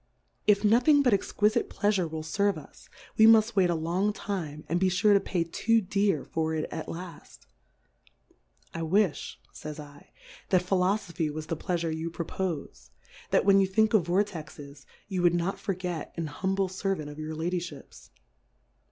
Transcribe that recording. If nothing but ex quifite Pleafure will ferve us, we muft wait a long time, and be fure to pay too dear for it at laft. I willi, fays f that Philofophy was the Pleafure you pro pofe, that when you think of Vortexes you would not forget an humble Ser vant of your Ladyihips.